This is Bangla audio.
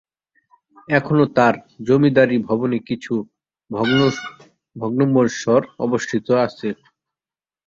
এখনও তার জমিদারী ভবনের কিছু ভগ্নম্বরশ অবশিষ্ট আছে।